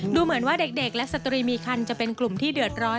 ดูเหมือนว่าเด็กและสตรีมีคันจะเป็นกลุ่มที่เดือดร้อน